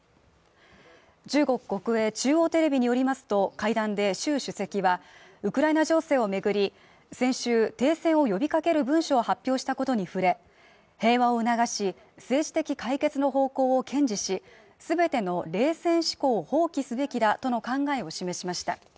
中国中央テレビによりますと、会談で習主席はウクライナ情勢を巡り、先週、停戦を呼び掛ける文書を発表したことに触れ、平和を促し、政治的解決の方向を堅持し、全ての冷戦思考を放棄すべきだとの考えを示しました。